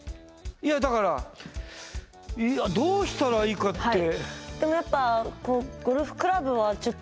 いやだからどうしたらいいかって。